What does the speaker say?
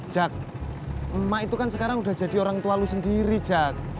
jack emak itu kan sekarang udah jadi orang tua lo sendiri jack